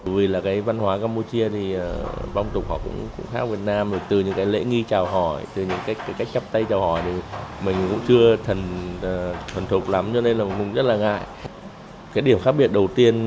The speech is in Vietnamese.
vào văn hóa của hai nước campuchia vẫn là mẫu huệ